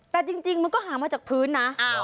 แต่จริงมันก็ห่างมาจากพื้นนะ